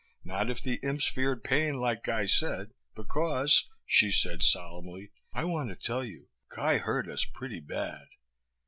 Not if the imps feared pain like Guy said, because," she said solemnly, "I want to tell you Guy hurt us pretty bad.